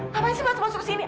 ngapain sih masuk masuk sini